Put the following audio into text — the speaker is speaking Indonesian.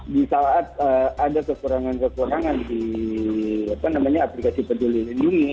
di saat ada kekurangan kekurangan di aplikasi peduli lindungi